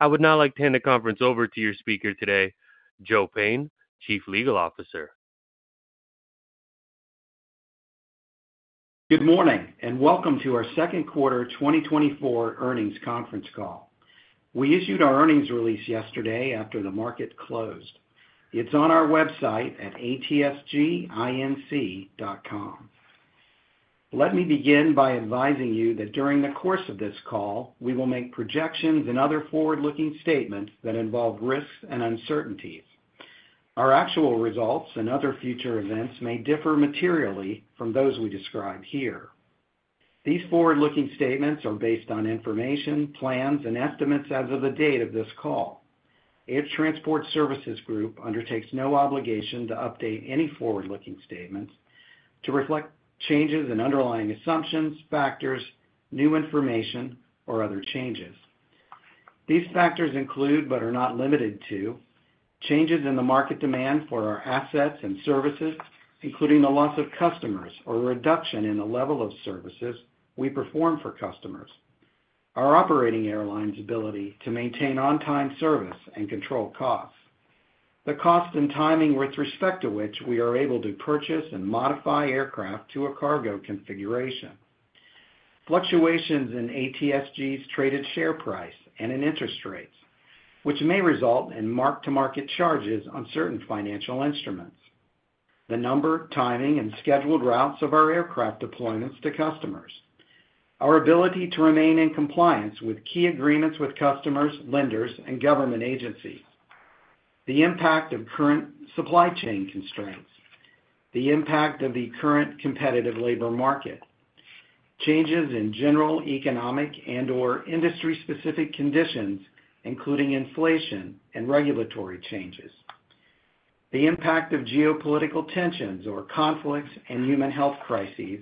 I would now like to hand the conference over to your speaker today, Joe Payne, Chief Legal Officer. Good morning, and welcome to our second quarter 2024 earnings conference call. We issued our earnings release yesterday after the market closed. It's on our website at atsginc.com. Let me begin by advising you that during the course of this call, we will make projections and other forward-looking statements that involve risks and uncertainties. Our actual results and other future events may differ materially from those we describe here. These forward-looking statements are based on information, plans, and estimates as of the date of this call. Air Transport Services Group undertakes no obligation to update any forward-looking statements to reflect changes in underlying assumptions, factors, new information, or other changes. These factors include, but are not limited to, changes in the market demand for our assets and services, including the loss of customers or reduction in the level of services we perform for customers. Our operating airline's ability to maintain on-time service and control costs. The cost and timing with respect to which we are able to purchase and modify aircraft to a cargo configuration. Fluctuations in ATSG's traded share price and in interest rates, which may result in mark-to-market charges on certain financial instruments. The number, timing, and scheduled routes of our aircraft deployments to customers. Our ability to remain in compliance with key agreements with customers, lenders, and government agencies. The impact of current supply chain constraints, the impact of the current competitive labor market, changes in general, economic, and/or industry-specific conditions, including inflation and regulatory changes. The impact of geopolitical tensions or conflicts and human health crises,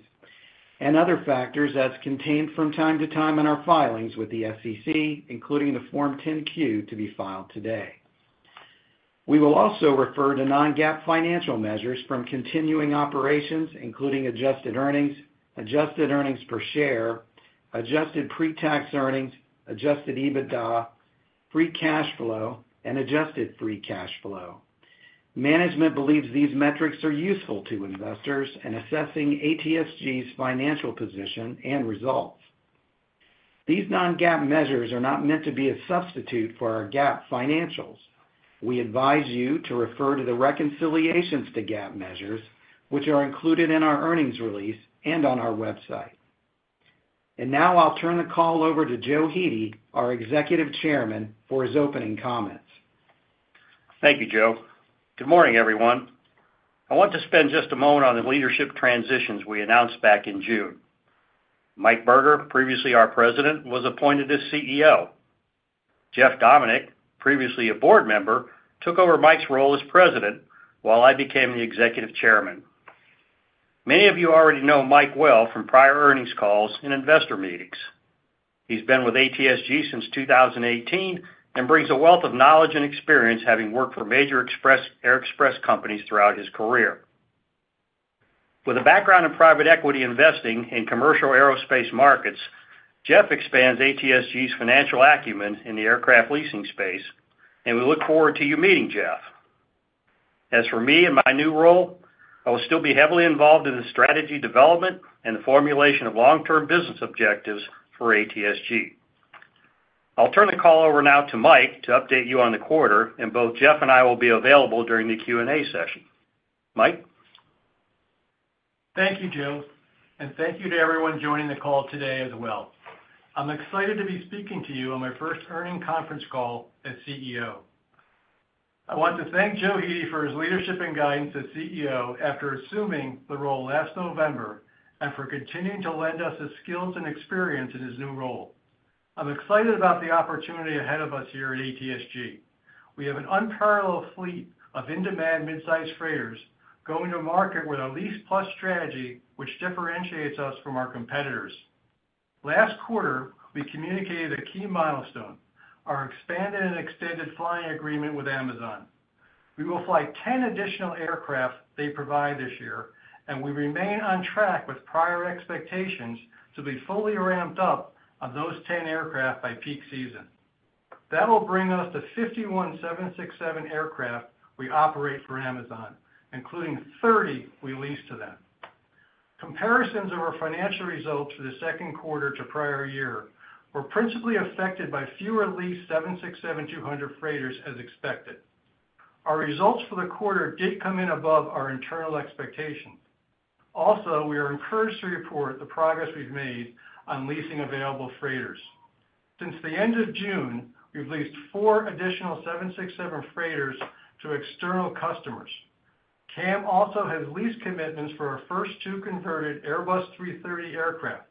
and other factors as contained from time to time in our filings with the SEC, including the Form 10-Q to be filed today. We will also refer to non-GAAP financial measures from continuing operations, including adjusted earnings, adjusted earnings per share, adjusted pre-tax earnings, Adjusted EBITDA, free cash flow, and adjusted free cash flow. Management believes these metrics are useful to investors in assessing ATSG's financial position and results. These non-GAAP measures are not meant to be a substitute for our GAAP financials. We advise you to refer to the reconciliations to GAAP measures, which are included in our earnings release and on our website. And now I'll turn the call over to Joe Hete, our Executive Chairman, for his opening comments. Thank you, Joe. Good morning, everyone. I want to spend just a moment on the leadership transitions we announced back in June. Mike Berger, previously our President, was appointed as CEO. Jeff Dominick, previously a board member, took over Mike's role as President, while I became the Executive Chairman. Many of you already know Mike well from prior earnings calls and investor meetings. He's been with ATSG since 2018 and brings a wealth of knowledge and experience, having worked for major air express companies throughout his career. With a background in private equity investing in commercial aerospace markets, Jeff expands ATSG's financial acumen in the aircraft leasing space, and we look forward to you meeting Jeff. As for me and my new role, I will still be heavily involved in the strategy development and the formulation of long-term business objectives for ATSG. I'll turn the call over now to Mike to update you on the quarter, and both Jeff and I will be available during the Q&A session. Mike? Thank you, Joe, and thank you to everyone joining the call today as well. I'm excited to be speaking to you on my first earnings conference call as CEO. I want to thank Joe Hete for his leadership and guidance as CEO after assuming the role last November, and for continuing to lend us his skills and experience in his new role. I'm excited about the opportunity ahead of us here at ATSG. We have an unparalleled fleet of in-demand mid-size freighters going to market with a Lease Plus strategy, which differentiates us from our competitors. Last quarter, we communicated a key milestone, our expanded and extended flying agreement with Amazon. We will fly 10 additional aircraft they provide this year, and we remain on track with prior expectations to be fully ramped up on those 10 aircraft by peak season. That will bring us to 51 767 aircraft we operate for Amazon, including 30 we lease to them. Comparisons of our financial results for the second quarter to prior year were principally affected by fewer leased 767-200 freighters, as expected. Our results for the quarter did come in above our internal expectations. Also, we are encouraged to report the progress we've made on leasing available freighters. Since the end of June, we've leased 4 additional 767 freighters to external customers. CAM also has lease commitments for our first two converted Airbus A330 aircraft,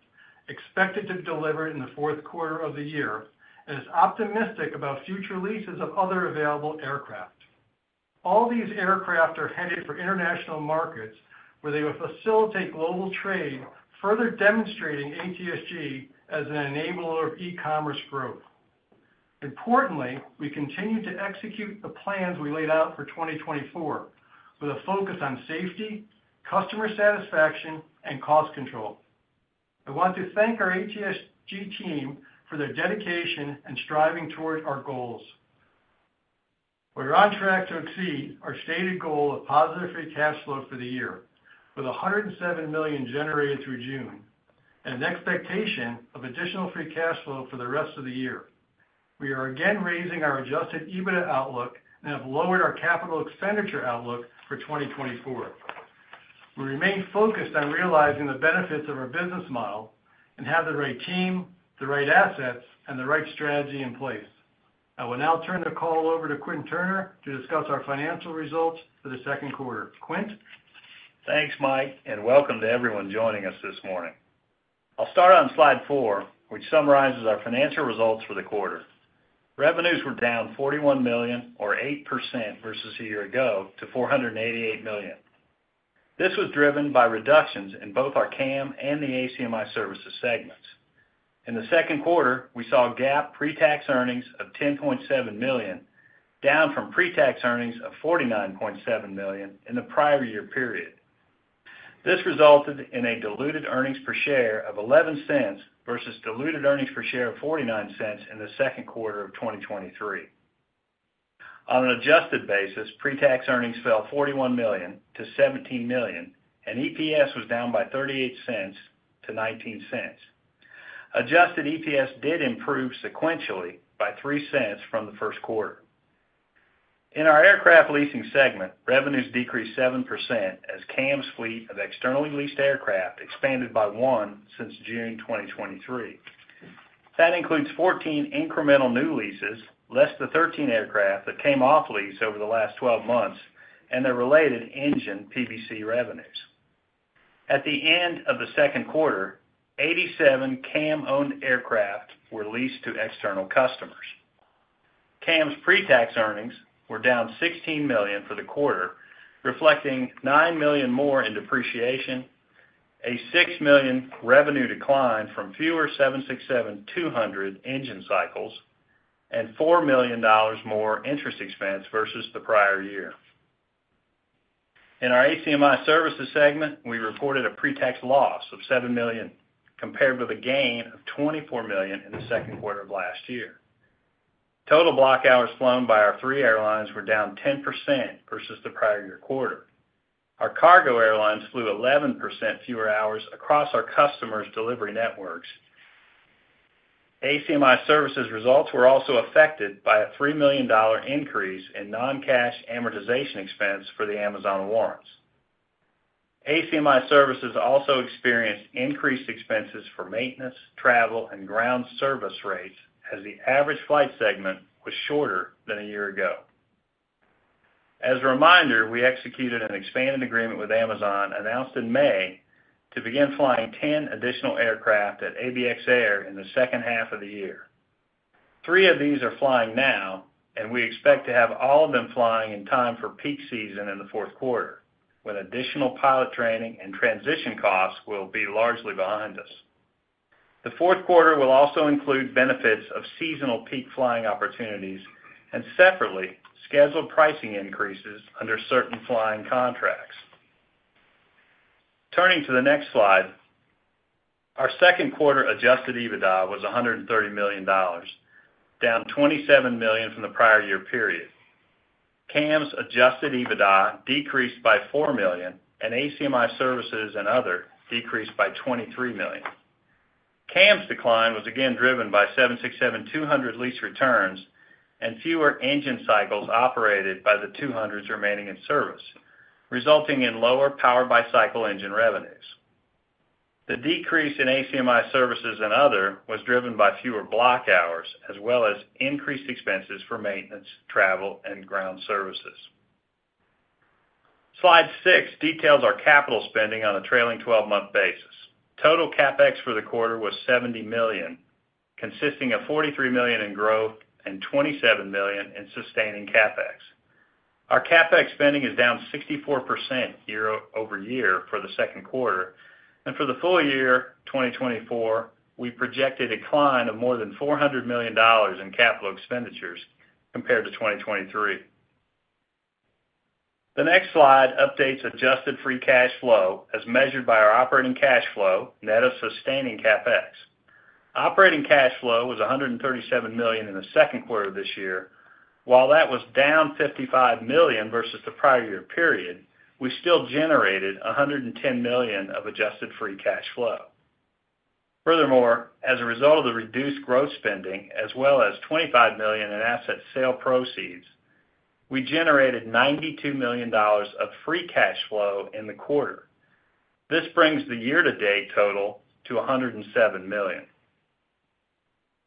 expected to be delivered in the fourth quarter of the year, and is optimistic about future leases of other available aircraft. All these aircraft are headed for international markets, where they will facilitate global trade, further demonstrating ATSG as an enabler of e-commerce growth. Importantly, we continue to execute the plans we laid out for 2024, with a focus on safety, customer satisfaction, and cost control. I want to thank our ATSG team for their dedication and striving towards our goals. We're on track to exceed our stated goal of positive free cash flow for the year, with $107 million generated through June and an expectation of additional free cash flow for the rest of the year. We are again raising our Adjusted EBITDA outlook and have lowered our capital expenditure outlook for 2024. We remain focused on realizing the benefits of our business model and have the right team, the right assets, and the right strategy in place. I will now turn the call over to Quint Turner to discuss our financial results for the second quarter. Quint? Thanks, Mike, and welcome to everyone joining us this morning. I'll start on slide four, which summarizes our financial results for the quarter. Revenues were down $41 million or 8% versus a year ago to $488 million. This was driven by reductions in both our CAM and the ACMI Services segments. In the second quarter, we saw GAAP pretax earnings of $10.7 million, down from pretax earnings of $49.7 million in the prior year period. This resulted in a diluted earnings per share of $0.11 versus diluted earnings per share of $0.49 in the second quarter of 2023. On an adjusted basis, pretax earnings fell $41 million-$17 million, and EPS was down by $0.38-$0.19. Adjusted EPS did improve sequentially by $0.03 from the first quarter. In our aircraft leasing segment, revenues decreased 7% as CAM's fleet of externally leased aircraft expanded by one since June 2023. That includes 14 incremental new leases, less the 13 aircraft that came off lease over the last 12 months and their related engine PBC revenues. At the end of the second quarter, 87 CAM-owned aircraft were leased to external customers. CAM's pretax earnings were down $16 million for the quarter, reflecting $9 million more in depreciation, a $6 million revenue decline from fewer 767-200 engine cycles, and $4 million more interest expense versus the prior year. In our ACMI Services segment, we reported a pretax loss of $7 million, compared with a gain of $24 million in the second quarter of last year. Total block hours flown by our three airlines were down 10% versus the prior year quarter. Our cargo airlines flew 11% fewer hours across our customers' delivery networks. ACMI Services results were also affected by a $3 million increase in non-cash amortization expense for the Amazon warrants. ACMI Services also experienced increased expenses for maintenance, travel, and ground service rates, as the average flight segment was shorter than a year ago. As a reminder, we executed an expanded agreement with Amazon, announced in May, to begin flying 10 additional aircraft at ABX Air in the second half of the year. Three of these are flying now, and we expect to have all of them flying in time for peak season in the fourth quarter, when additional pilot training and transition costs will be largely behind us. The fourth quarter will also include benefits of seasonal peak flying opportunities and, separately, scheduled pricing increases under certain flying contracts. Turning to the next slide, our second quarter Adjusted EBITDA was $130 million, down $27 million from the prior year period. CAM's Adjusted EBITDA decreased by $4 million, and ACMI Services and other decreased by $23 million. CAM's decline was again driven by 767-200 lease returns and fewer engine cycles operated by the two hundreds remaining in service, resulting in lower power-by-cycle engine revenues. The decrease in ACMI Services and other was driven by fewer block hours, as well as increased expenses for maintenance, travel, and ground services. Slide 6 details our capital spending on a trailing twelve-month basis. Total CapEx for the quarter was $70 million, consisting of $43 million in growth and $27 million in sustaining CapEx. Our CapEx spending is down 64% year-over-year for the second quarter, and for the full year 2024, we project a decline of more than $400 million in capital expenditures compared to 2023. The next slide updates adjusted free cash flow as measured by our operating cash flow, net of sustaining CapEx. Operating cash flow was $137 million in the second quarter of this year. While that was down $55 million versus the prior year period, we still generated $110 million of adjusted free cash flow. Furthermore, as a result of the reduced growth spending, as well as $25 million in asset sale proceeds, we generated $92 million of free cash flow in the quarter. This brings the year-to-date total to $107 million.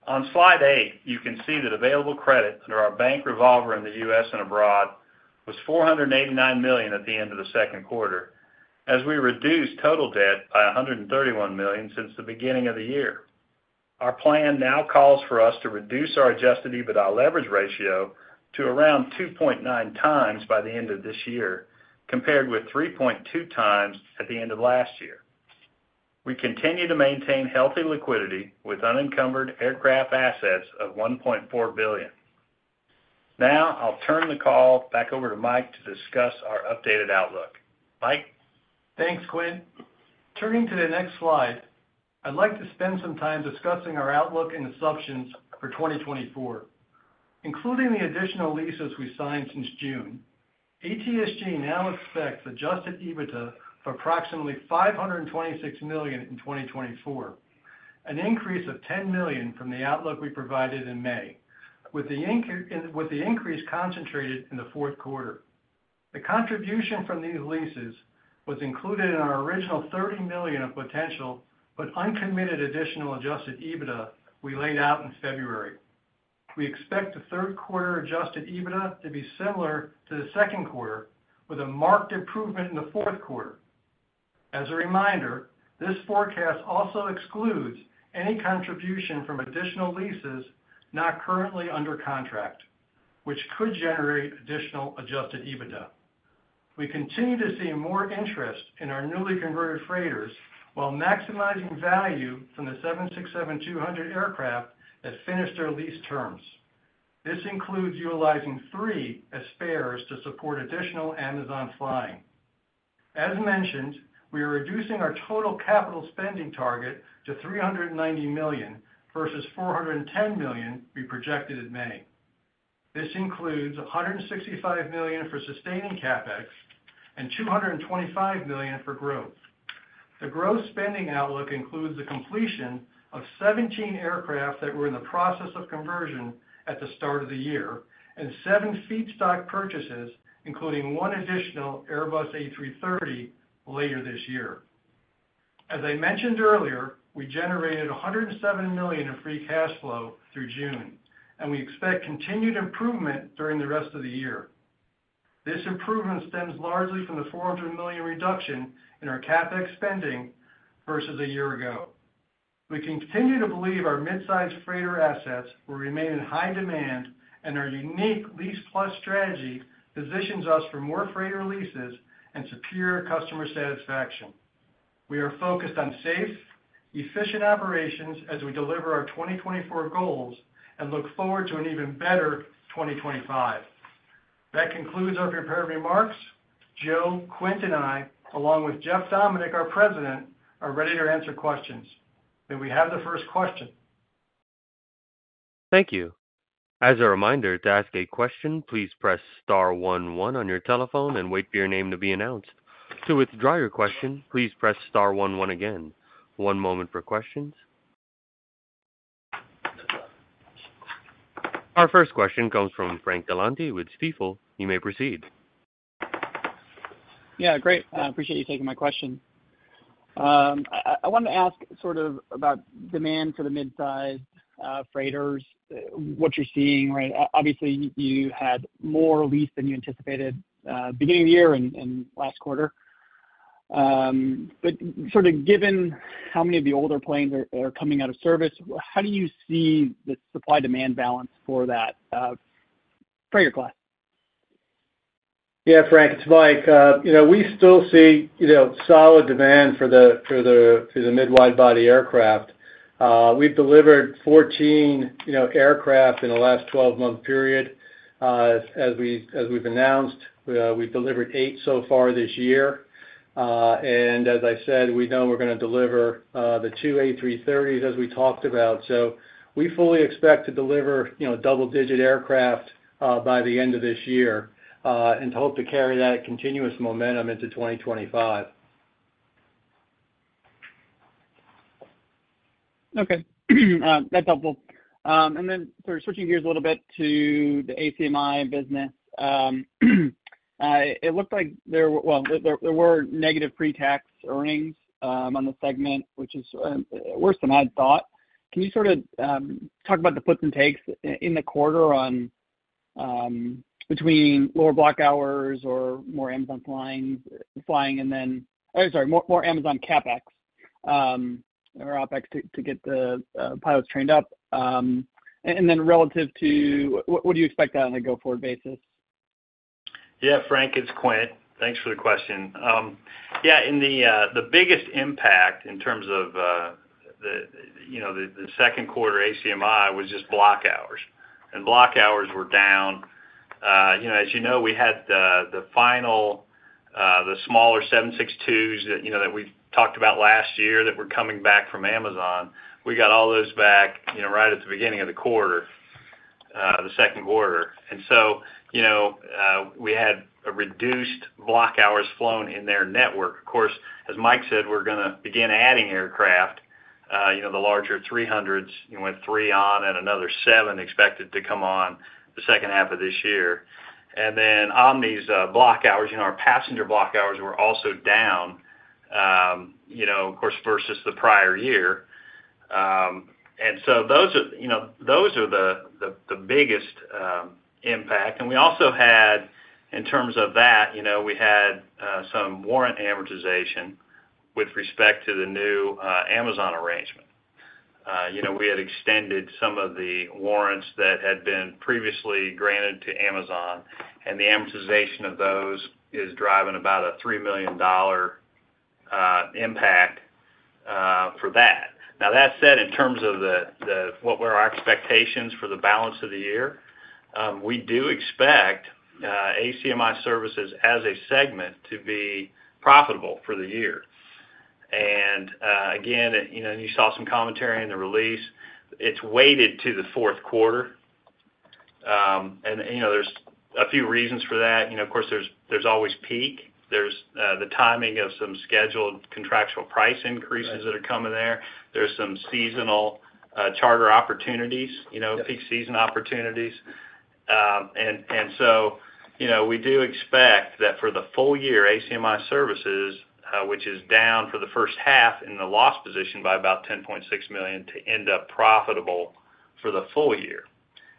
On slide eight, you can see that available credit under our bank revolver in the U.S. and abroad was $489 million at the end of the second quarter, as we reduced total debt by $131 million since the beginning of the year. Our plan now calls for us to reduce our Adjusted EBITDA leverage ratio to around 2.9 times by the end of this year, compared with 3.2 times at the end of last year. We continue to maintain healthy liquidity with unencumbered aircraft assets of $1.4 billion.... Now I'll turn the call back over to Mike to discuss our updated outlook. Mike? Thanks, Quint. Turning to the next slide, I'd like to spend some time discussing our outlook and assumptions for 2024. Including the additional leases we signed since June, ATSG now expects Adjusted EBITDA of approximately $526 million in 2024, an increase of $10 million from the outlook we provided in May, with the increase concentrated in the fourth quarter. The contribution from these leases was included in our original $30 million of potential, but uncommitted additional Adjusted EBITDA we laid out in February. We expect the third quarter Adjusted EBITDA to be similar to the second quarter, with a marked improvement in the fourth quarter. As a reminder, this forecast also excludes any contribution from additional leases not currently under contract, which could generate additional Adjusted EBITDA. We continue to see more interest in our newly converted freighters while maximizing value from the Boeing 767-200 aircraft that finished their lease terms. This includes utilizing 3 as spares to support additional Amazon flying. As mentioned, we are reducing our total capital spending target to $390 million, versus $410 million we projected in May. This includes $165 million for sustaining CapEx and $225 million for growth. The growth spending outlook includes the completion of 17 aircraft that were in the process of conversion at the start of the year, and seven feedstock purchases, including one additional Airbus A330 later this year. As I mentioned earlier, we generated $107 million in free cash flow through June, and we expect continued improvement during the rest of the year. This improvement stems largely from the $400 million reduction in our CapEx spending versus a year ago. We continue to believe our midsize freighter assets will remain in high demand, and our unique Lease Plus strategy positions us for more freighter leases and superior customer satisfaction. We are focused on safe, efficient operations as we deliver our 2024 goals and look forward to an even better 2025. That concludes our prepared remarks. Joe, Quint, and I, along with Jeff Dominick, our president, are ready to answer questions. May we have the first question? Thank you. As a reminder, to ask a question, please press star one one on your telephone and wait for your name to be announced. To withdraw your question, please press star one one again. One moment for questions. Our first question comes from Frank Galanti with Stifel. You may proceed. Yeah, great. I appreciate you taking my question. I wanted to ask sort of about demand for the midsize freighters, what you're seeing, right? Obviously, you had more lease than you anticipated beginning of the year and last quarter. But sort of given how many of the older planes are coming out of service, how do you see the supply-demand balance for that freighter class? Yeah, Frank, it's Mike. You know, we still see solid demand for the mid-wide body aircraft. We've delivered 14 aircraft in the last 12-month period. As we've announced, we've delivered eight so far this year. And as I said, we know we're gonna deliver the two A330s, as we talked about. So we fully expect to deliver double-digit aircraft by the end of this year and hope to carry that continuous momentum into 2025. Okay. That's helpful. And then sort of switching gears a little bit to the ACMI business. It looked like there were negative pretax earnings on the segment, which is worse than I'd thought. Can you sort of talk about the puts and takes in the quarter on between lower block hours or more Amazon flying, and then... Oh, sorry, more Amazon CapEx or OpEx to get the pilots trained up. And then relative to what do you expect that on a go-forward basis? Yeah, Frank, it's Quint. Thanks for the question. Yeah, in the biggest impact in terms of the you know the second quarter ACMI was just block hours, and block hours were down. You know, as you know, we had the final the smaller 767-200s that you know that we talked about last year that were coming back from Amazon. We got all those back, you know, right at the beginning of the quarter the second quarter. And so, you know we had a reduced block hours flown in their network. Of course, as Mike said, we're gonna begin adding aircraft you know the larger 767-300s, with three on and another seven expected to come on the second half of this year. And then on these block hours, you know, our passenger block hours were also down, you know, of course, versus the prior year. And so those are, you know, those are the biggest impact. And we also had, in terms of that, you know, we had some warrant amortization with respect to the new Amazon arrangement. You know, we had extended some of the warrants that had been previously granted to Amazon, and the amortization of those is driving about a $3 million impact for that. Now, that said, in terms of what were our expectations for the balance of the year, we do expect ACMI services as a segment to be profitable for the year. And again, you know, you saw some commentary in the release. It's weighted to the fourth quarter. And, you know, there's a few reasons for that. You know, of course, there's always peak. There's the timing of some scheduled contractual price increases that are coming there. There's some seasonal charter opportunities, you know, peak season opportunities. And so, you know, we do expect that for the full year, ACMI services, which is down for the first half in the loss position by about $10.6 million, to end up profitable for the full year.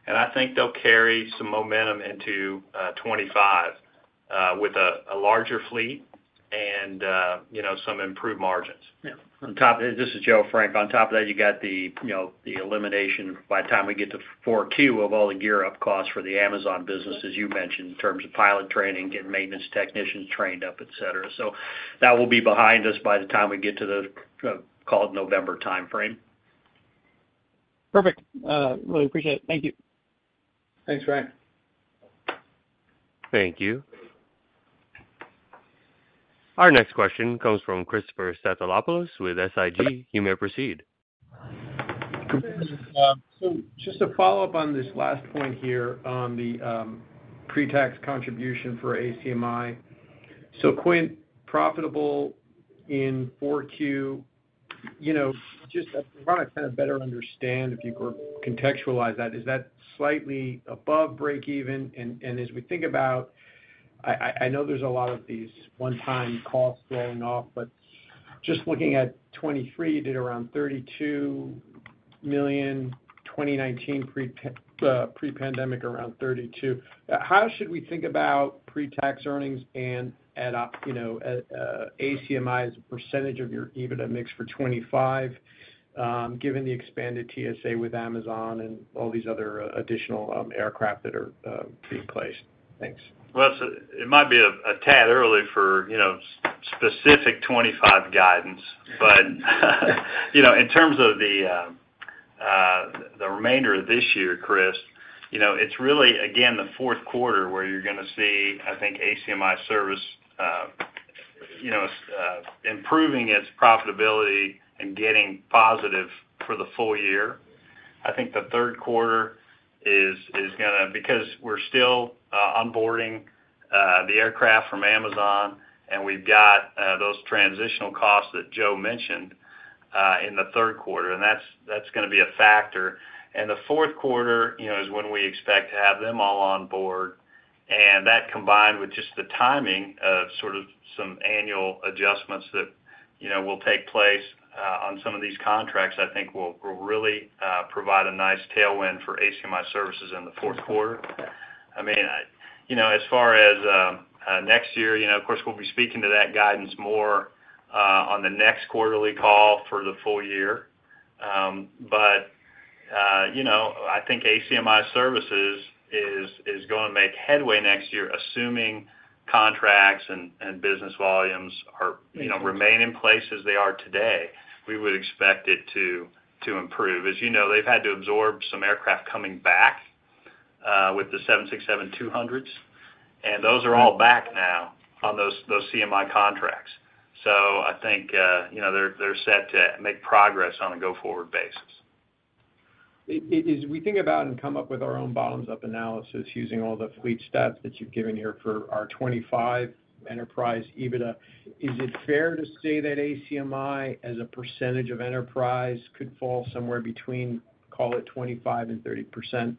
And I think they'll carry some momentum into 2025, with a larger fleet and, you know, some improved margins. Yeah. On top of it, this is Joe, Frank. On top of that, you got the, you know, the elimination by the time we get to 4Q of all the gear up costs for the Amazon business, as you mentioned, in terms of pilot training, getting maintenance technicians trained up, et cetera. So that will be behind us by the time we get to the, call it November timeframe. Perfect. Really appreciate it. Thank you. Thanks, Frank. Thank you. Our next question comes from Christopher Stathoulopoulos with SIG. You may proceed. So just to follow up on this last point here on the pre-tax contribution for ACMI. So Quint, profitable in Q4, you know, just I want to kind of better understand if you could contextualize that. Is that slightly above break even? And as we think about... I know there's a lot of these one-time costs going off, but just looking at 2023, you did around $32 million, 2019, pre-pandemic, around $32 million. How should we think about pre-tax earnings and add up, you know, at ACMI as a percentage of your EBITDA mix for 2025, given the expanded TSA with Amazon and all these other additional aircraft that are being placed? Thanks. Well, so it might be a tad early for, you know, specific 25 guidance, but you know, in terms of the remainder of this year, Chris, you know, it's really, again, the fourth quarter where you're going to see, I think, ACMI service improving its profitability and getting positive for the full year. I think the third quarter is gonna—because we're still onboarding the aircraft from Amazon, and we've got those transitional costs that Joe mentioned in the third quarter, and that's gonna be a factor. The fourth quarter, you know, is when we expect to have them all on board, and that combined with just the timing of sort of some annual adjustments that, you know, will take place on some of these contracts, I think will really provide a nice tailwind for ACMI services in the fourth quarter. I mean, you know, as far as next year, you know, of course, we'll be speaking to that guidance more on the next quarterly call for the full year. But you know, I think ACMI services is going to make headway next year, assuming contracts and business volumes are, you know, remain in place as they are today, we would expect it to improve. As you know, they've had to absorb some aircraft coming back with the 767-200s, and those are all back now on those CMI contracts. So I think, you know, they're set to make progress on a go-forward basis. It is, we think about and come up with our own bottoms-up analysis using all the fleet stats that you've given here for our 2025 enterprise EBITDA. Is it fair to say that ACMI, as a percentage of enterprise, could fall somewhere between, call it, 25% and 30%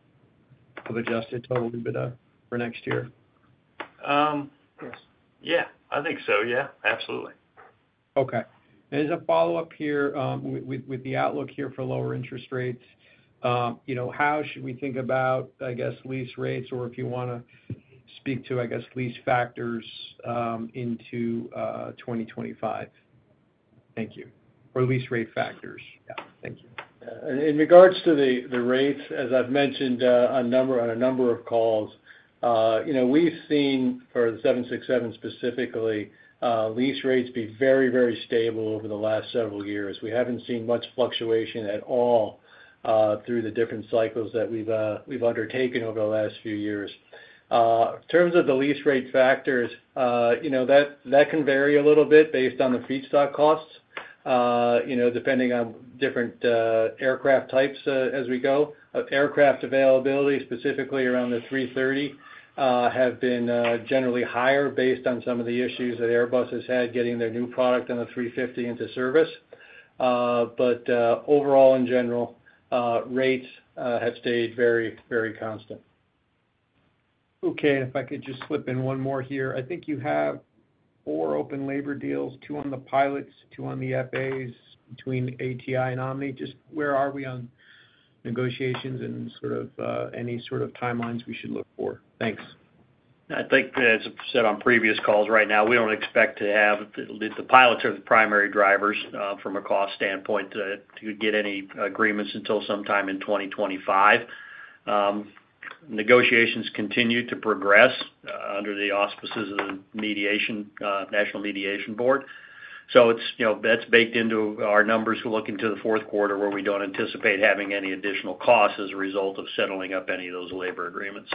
of Adjusted total EBITDA for next year? Yeah, I think so. Yeah, absolutely. Okay. As a follow-up here, with the outlook here for lower interest rates, you know, how should we think about, I guess, lease rates or if you want to speak to, I guess, lease factors, into 2025? Thank you. Or lease rate factors. Yeah, thank you. In regards to the rates, as I've mentioned, a number, on a number of calls, you know, we've seen for the 767 specifically, lease rates be very, very stable over the last several years. We haven't seen much fluctuation at all, through the different cycles that we've undertaken over the last few years. In terms of the lease rate factors, you know, that can vary a little bit based on the feedstock costs, you know, depending on different aircraft types, as we go. Aircraft availability, specifically around the 330, have been generally higher based on some of the issues that Airbus has had getting their new product on the 350 into service. But overall, in general, rates have stayed very, very constant. Okay. If I could just slip in one more here. I think you have four open labor deals, two on the pilots, two on the FAs, between ATI and Omni. Just where are we on negotiations and sort of, any sort of timelines we should look for? Thanks. I think, as I've said on previous calls, right now, we don't expect to have the, the pilots are the primary drivers from a cost standpoint to get any agreements until sometime in 2025. Negotiations continue to progress under the auspices of the mediation National Mediation Board. So it's, you know, that's baked into our numbers. We look into the fourth quarter, where we don't anticipate having any additional costs as a result of settling up any of those labor agreements.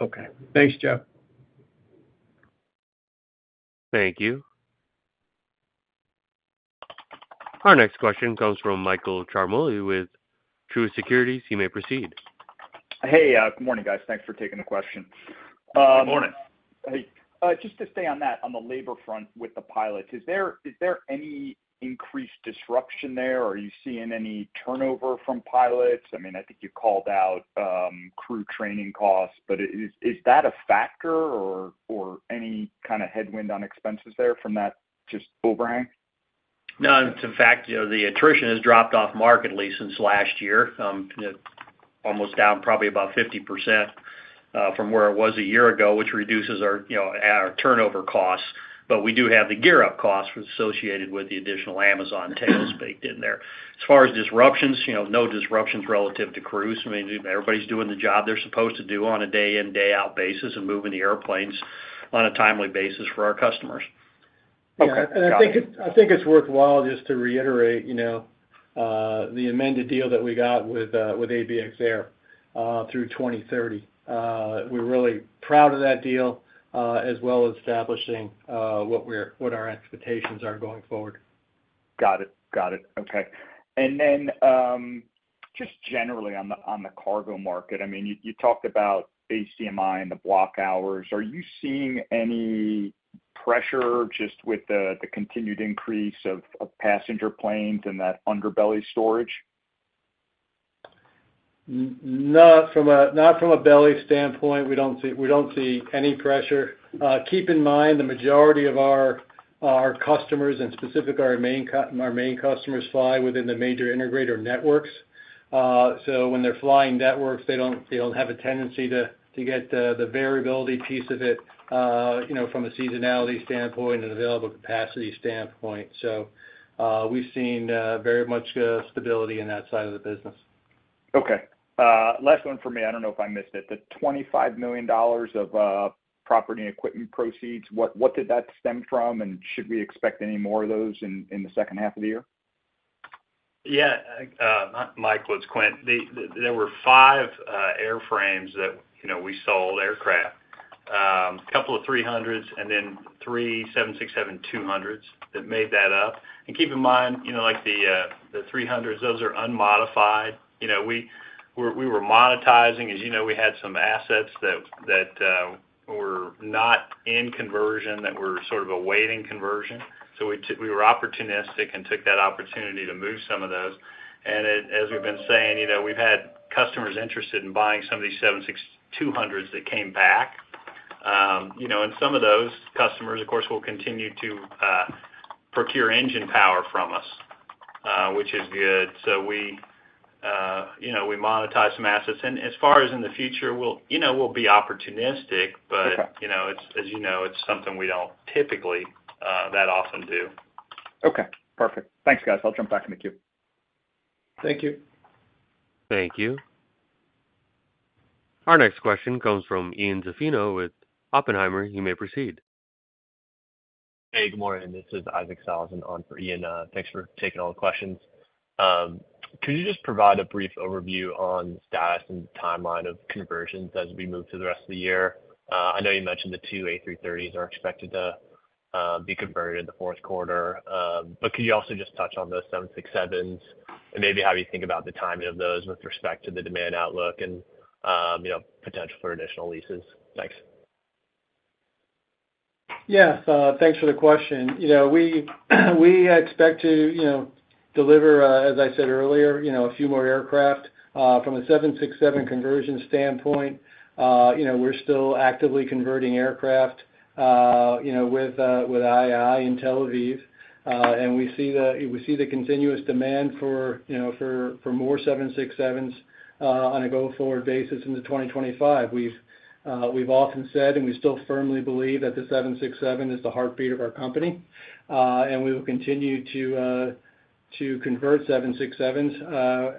Okay. Thanks, Jeff. Thank you. Our next question comes from Michael Ciarmoli with Truist Securities. You may proceed. Hey, good morning, guys. Thanks for taking the question. Good morning. Hey, just to stay on that, on the labor front with the pilots, is there, is there any increased disruption there, or are you seeing any turnover from pilots? I mean, I think you called out, crew training costs, but is, is that a factor or, or any kind of headwind on expenses there from that just overhang? No, in fact, you know, the attrition has dropped off markedly since last year. Almost down probably about 50%, from where it was a year ago, which reduces our, you know, our turnover costs. But we do have the gear up costs associated with the additional Amazon tails baked in there. As far as disruptions, you know, no disruptions relative to crews. I mean, everybody's doing the job they're supposed to do on a day-in, day-out basis, and moving the airplanes on a timely basis for our customers. Okay. And I think it, I think it's worthwhile just to reiterate, you know, the amended deal that we got with, with ABX Air, through 2030. We're really proud of that deal, as well as establishing, what we're -- what our expectations are going forward. Got it. Got it. Okay. And then, just generally on the cargo market, I mean, you talked about ACMI and the block hours. Are you seeing any pressure just with the continued increase of passenger planes and that underbelly storage? Not from a belly standpoint, we don't see any pressure. Keep in mind, the majority of our customers, and specifically our main customers, fly within the major integrator networks. So when they're flying networks, they don't have a tendency to get the variability piece of it, you know, from a seasonality standpoint and available capacity standpoint. So, we've seen very much stability in that side of the business. Okay. Last one for me, I don't know if I missed it. The $25 million of property and equipment proceeds, what did that stem from? And should we expect any more of those in the second half of the year? Yeah, not Mike, it's Quint. There were five airframes that, you know, we sold aircraft. A couple of 767-300s and then three 767-200s that made that up. And keep in mind, you know, like, the 767-300s, those are unmodified. You know, we were monetizing. As you know, we had some assets that were not in conversion, that were sort of awaiting conversion. So, we were opportunistic and took that opportunity to move some of those. And as we've been saying, you know, we've had customers interested in buying some of these 767-200s that came back. You know, and some of those customers, of course, will continue to procure engine power from us, which is good. So we, you know, we monetize some assets. As far as in the future, we'll, you know, we'll be opportunistic. Okay. You know, it's, as you know, it's something we don't typically that often do. Okay, perfect. Thanks, guys. I'll jump back in the queue. Thank you. Thank you. Our next question comes from Ian Zaffino with Oppenheimer. You may proceed. Hey, good morning, this is Isaac Sellhausen on for Ian. Thanks for taking all the questions. Could you just provide a brief overview on status and timeline of conversions as we move through the rest of the year? I know you mentioned the two A330s are expected to be converted in the fourth quarter. But could you also just touch on the 767s and maybe how you think about the timing of those with respect to the demand outlook and, you know, potential for additional leases? Thanks. Yes, thanks for the question. You know, we expect to, you know, deliver, as I said earlier, you know, a few more aircraft. From a 767-conversion standpoint, you know, we're still actively converting aircraft, you know, with IAI in Tel Aviv. And we see the continuous demand for, you know, for more 767, on a go-forward basis into 2025. We've often said, and we still firmly believe, that the 767 is the heartbeat of our company. And we will continue to convert 767s,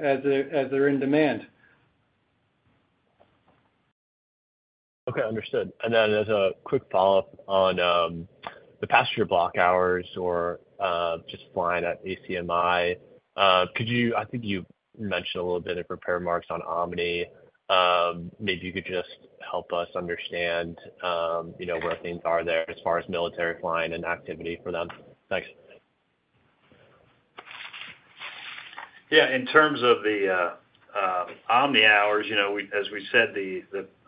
as they're in demand. Okay, understood. And then as a quick follow-up on the passenger block hours or just flying at ACMI, could you, I think you mentioned a little bit of repair marks on Omni. Maybe you could just help us understand, you know, where things are there as far as military flying and activity for them. Thanks. Yeah, in terms of the Omni hours, you know, we, as we said,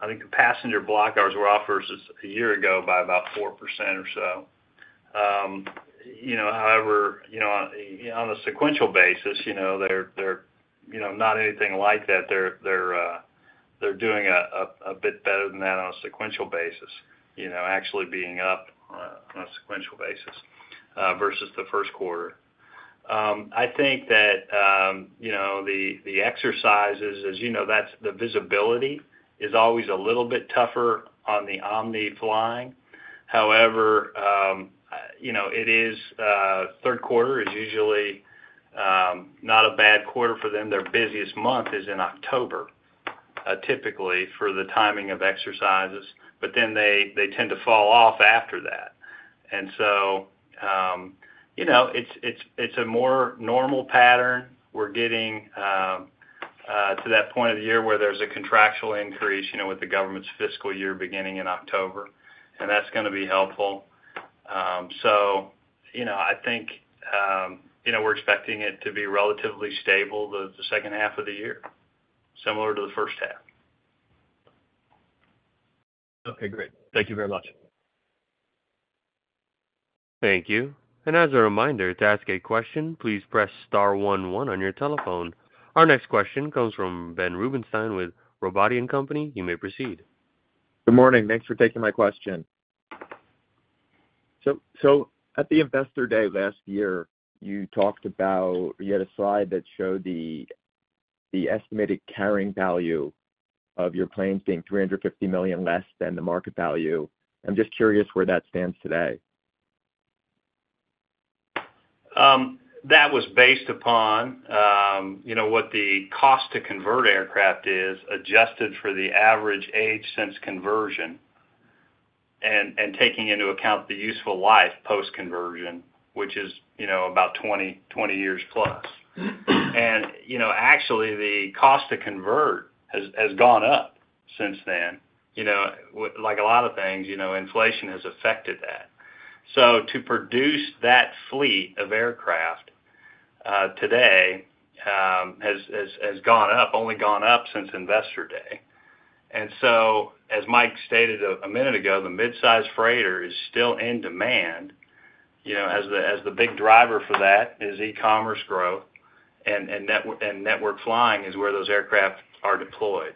I think the passenger block hours were off versus a year ago by about 4% or so. You know, however, you know, on a sequential basis, you know, they're not anything like that. They're doing a bit better than that on a sequential basis, you know, actually being up on a sequential basis versus the first quarter. I think that, you know, the exercises, as you know, that's the visibility is always a little bit tougher on the Omni flying. However, you know, it is, third quarter is usually not a bad quarter for them. Their busiest month is in October, typically for the timing of exercises, but then they tend to fall off after that. And so, you know, it's a more normal pattern. We're getting to that point of the year where there's a contractual increase, you know, with the government's fiscal year beginning in October, and that's gonna be helpful. So, you know, I think, you know, we're expecting it to be relatively stable, the second half of the year, similar to the first half. Okay, great. Thank you very much. Thank you. As a reminder, to ask a question, please press star one, one on your telephone. Our next question comes from Ben Rubinstein with Robotti & Company. You may proceed. Good morning. Thanks for taking my question. So, at the Investor Day last year, you talked about, you had a slide that showed the estimated carrying value of your planes being $350 million less than the market value. I'm just curious where that stands today. That was based upon, you know, what the cost to convert aircraft is, adjusted for the average age since conversion, and taking into account the useful life post-conversion, which is, you know, about 20 years plus. And, you know, actually, the cost to convert has gone up since then. You know, with like a lot of things, you know, inflation has affected that. So to produce that fleet of aircraft today has gone up, only gone up since Investor Day. And so, as Mike stated a minute ago, the mid-size freighter is still in demand, you know, as the big driver for that is e-commerce growth, and network flying is where those aircraft are deployed.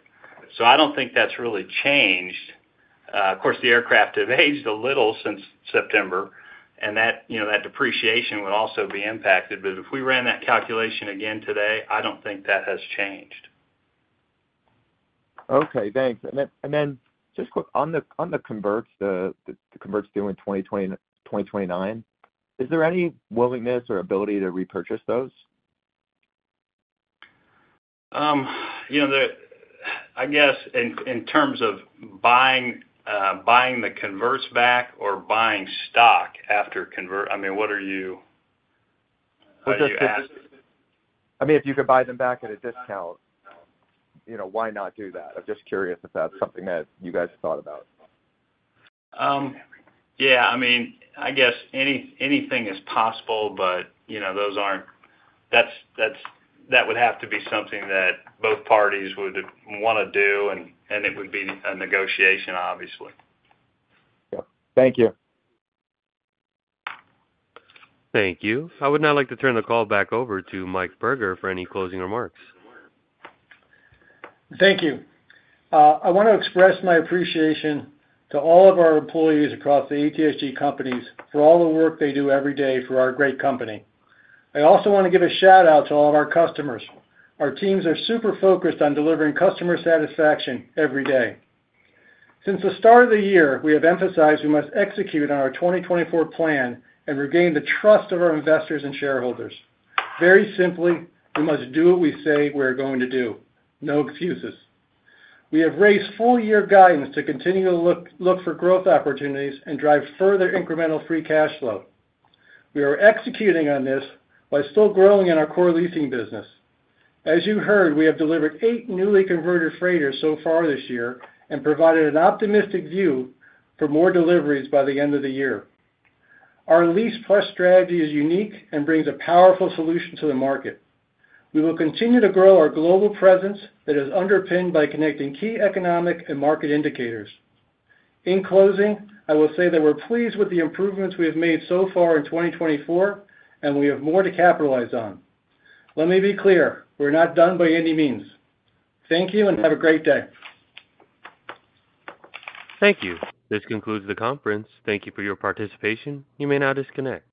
So I don't think that's really changed. Of course, the aircraft have aged a little since September, and that, you know, that depreciation would also be impacted. But if we ran that calculation again today, I don't think that has changed. Okay, thanks. And then just quick, on the converts due in 2029, is there any willingness or ability to repurchase those? You know, the... I guess in, in terms of buying, buying the converts back or buying stock after convert, I mean, what are you, what are you asking? I mean, if you could buy them back at a discount, you know, why not do that? I'm just curious if that's something that you guys thought about. Yeah, I mean, I guess anything is possible, but, you know, those aren't... That would have to be something that both parties would wanna do, and it would be a negotiation, obviously. Yeah. Thank you. Thank you. I would now like to turn the call back over to Mike Berger for any closing remarks. Thank you. I want to express my appreciation to all of our employees across the ATSG companies for all the work they do every day for our great company. I also want to give a shout-out to all of our customers. Our teams are super focused on delivering customer satisfaction every day. Since the start of the year, we have emphasized we must execute on our 2024 plan and regain the trust of our investors and shareholders. Very simply, we must do what we say we're going to do, no excuses. We have raised full year guidance to continue to look for growth opportunities and drive further incremental free cash flow. We are executing on this by still growing in our core leasing business. As you heard, we have delivered eight newly converted freighters so far this year and provided an optimistic view for more deliveries by the end of the year. Our Lease Plus strategy is unique and brings a powerful solution to the market. We will continue to grow our global presence that is underpinned by connecting key economic and market indicators. In closing, I will say that we're pleased with the improvements we have made so far in 2024, and we have more to capitalize on. Let me be clear, we're not done by any means. Thank you, and have a great day. Thank you. This concludes the conference. Thank you for your participation. You may now disconnect.